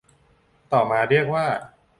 ต่อมาเรียกว่า